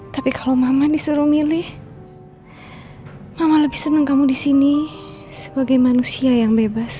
tapi kalau mama disuruh milih mama lebih senang kamu di sini sebagai manusia yang bebas